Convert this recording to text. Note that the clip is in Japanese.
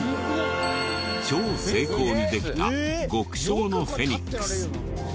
超精巧にできた極小のフェニックス。